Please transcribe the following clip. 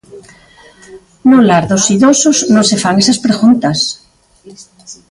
No Lar dos Idosos non se fan esas preguntas.